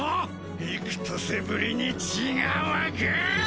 幾年ぶりに血が湧く！